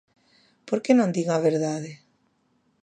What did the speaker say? ¿Por que non din a verdade?